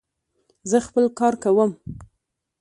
زه خپل کار کوم.